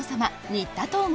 新田東郷